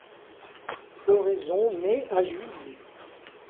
Floraison mai à juillet.